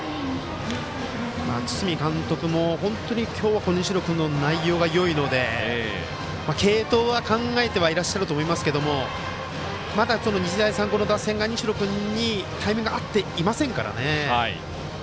堤監督も今日は、西野君の内容がいいので継投は考えてはいらっしゃると思いますがまだ日大三高の打線が西野君にタイミング合っていませんからね。